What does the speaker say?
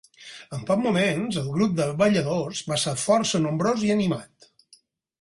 En pocs moments el grup de balladors va ser força nombrós i animat.